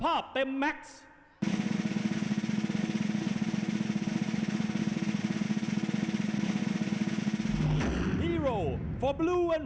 ประโยชน์ทอตอร์จานแสนชัยกับยานิลลาลีนี่ครับ